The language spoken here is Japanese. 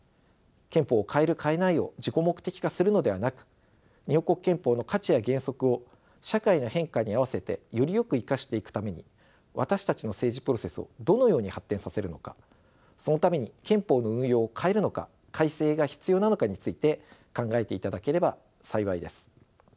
憲法を変える変えないを自己目的化するのではなく日本国憲法の価値や原則を社会の変化に合わせてよりよく生かしていくために私たちの政治プロセスをどのように発展させるのかそのために憲法の運用を変えるのか改正が必要なのかについて考えていただければ幸いです。